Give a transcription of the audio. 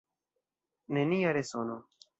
Nenia resono.